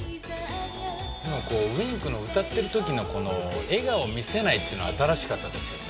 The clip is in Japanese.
Ｗｉｎｋの歌ってるときのこの笑顔を見せないっていうの新しかったですよね。